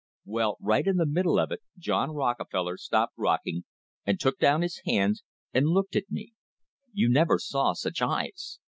Well, right in the middle of it John Rockefeller stopped rocking and took down his hands and looked at me. You never saw such eyes.